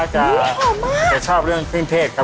อื้อหอมมากอยากชอบเรื่องเครื่องเทศครับ